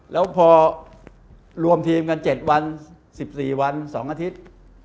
แล้วพอรวมทีมกัน๗วัน๑๔วัน๒อาทิตย์